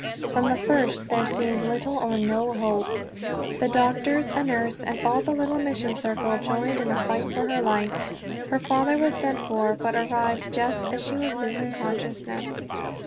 From the first there seemed little or no hope. The doctors, a nurse, and all the little mission circle joined in the fight for her life. Her father was sent for, but arrived just as she was losing consciousness.